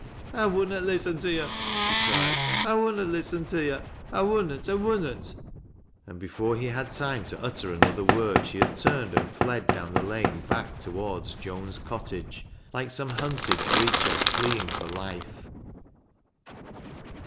" I wunnot listen to yo'," she cried. " I wunnot listen to yo'. I wunnot — I wunnot," and before he had time to utter another word, she had turned and fled down the lane back toward Joan's cottage, like some hunted creature fleeing for life.